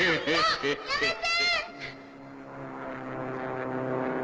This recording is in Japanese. やめて！